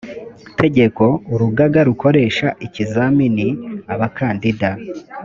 tegeko urugaga rukoresha ikizamini abakandida